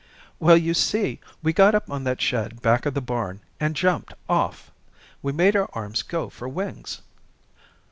"Well, you see, we got up on that shed back of the barn, and jumped off. We made our arms go for wings."